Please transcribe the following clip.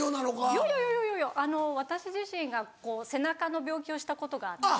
いやいやいやいやいやいや私自身がこう背中の病気をしたことがあって。